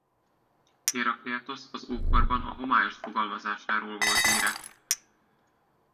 Hérakleitosz az ókorban a homályos fogalmazásáról volt híres.